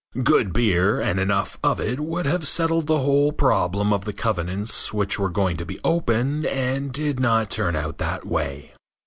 Good beer and enough of it would have settled the whole problem of the covenants which were going to be open and did not turn out that way.